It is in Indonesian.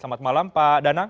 selamat malam pak danang